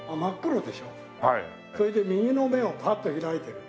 それで右の目をパッと開いてる。